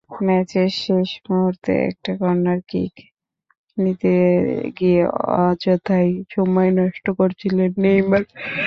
ম্যাচের শেষ মুহূর্তে একটা কর্নার কিক নিতে গিয়ে অযথাই সময় নষ্ট করছিলেন নেইমার।